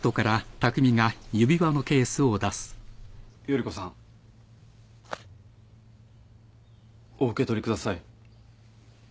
依子さんお受け取りください。